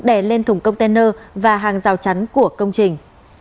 đè lên thùng container và hàng rào chắn của công trình